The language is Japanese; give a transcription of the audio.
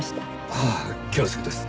はあ恐縮です。